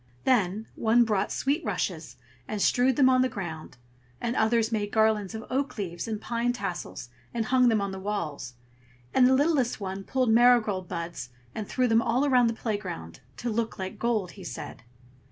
Then one brought sweet rushes and strewed them on the ground; and others made garlands of oak leaves and pine tassels and hung them on the walls; and the littlest one pulled marigold buds and threw them all about the playground, "to look like gold," he said.